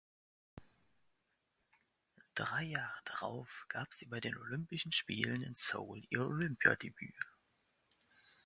Drei Jahre darauf gab sie bei den Olympischen Spielen in Seoul ihr Olympiadebüt.